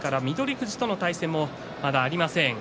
富士との対戦もまだありません。